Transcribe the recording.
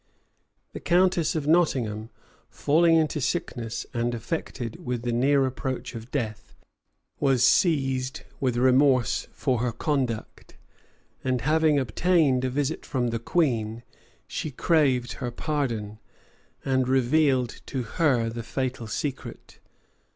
The countess of Nottingham, falling into sickness, and affected with the near approach of death, was seized with remorse for her conduct; and having obtained a visit from the queen, she craved her pardon, and revealed to her the fatal secret.